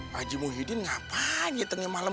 pak haji muhyiddin ngapain tengah malem